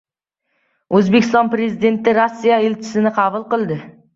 O‘zbekiston Prezidenti Rossiya elchisini qabul qildi